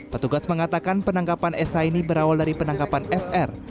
petugas mengatakan penangkapan sh ini berawal dari penangkapan fr